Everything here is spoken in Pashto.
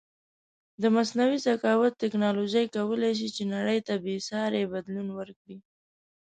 د مصنوعې زکاوت ټکنالوژی کولی شې چې نړی ته بیساری بدلون ورکړې